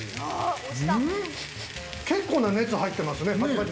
結構な熱が入っていますね。